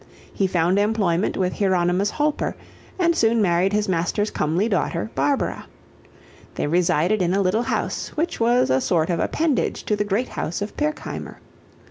He found employment with Hieronymus Holper, and soon married his master's comely daughter, Barbara. They resided in a little house which was a sort of appendage to the great house of Pirkheimer.